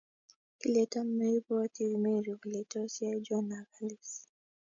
kile tom maipwotyi.mery kole tos yai Jonhn ak Alice